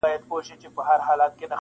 پرېږدی چي موږ هم څو شېبې ووینو-